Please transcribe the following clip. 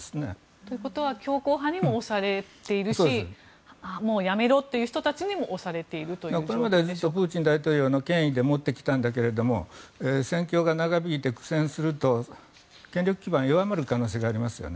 ということは強硬派にも押されているしもうやめろという人たちにもこれまでプーチン大統領の権威で持ってきたんだけれども戦況が長引いて苦戦すると権力基盤が弱まる可能性がありますよね。